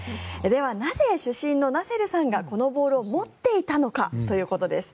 ではなぜ主審のナセルさんがこのボールを持っていたのかということです。